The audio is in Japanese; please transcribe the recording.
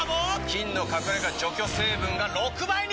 菌の隠れ家除去成分が６倍に！